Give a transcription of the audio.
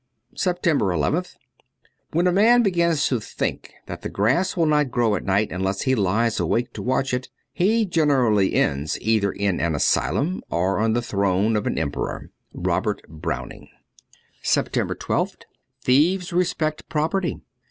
383 SEPTEMBER nth WHEN a man begins to think that the grass will not grow at night unless he lies awake to watch it, he generally ends either in an asylum or on the throne of an emperor. ^Robert Browning.' 28.1 SEPTEMBER 12th THIEVES respect property.